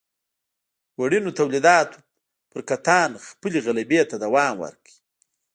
وړینو تولیداتو پر کتان خپلې غلبې ته دوام ورکړ.